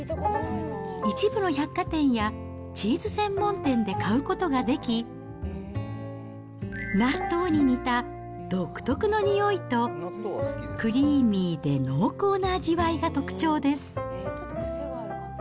一部の百貨店やチーズ専門店で買うことができ、納豆に似た独特のにおいと、クリーミーで濃厚な味わいが特徴です。